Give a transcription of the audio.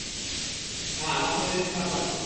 হ্যা, আমার শরীরে খারাপ লাগছে।